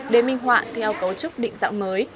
đề minh hoạ theo cấu trúc định dạng mới